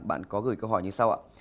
bạn có gửi câu hỏi như sau ạ